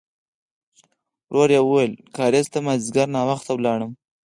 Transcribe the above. ورو يې وویل: کارېز ته مازديګر ناوخته لاړم.